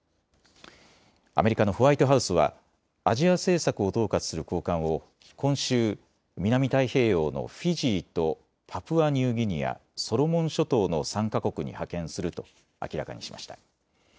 アメリカのホワイトハウスはアジア政策を統括する高官を今週、南太平洋のフィジーとパプアニューギニア、ソロモン諸島の３か国に派遣すると明らかにしました。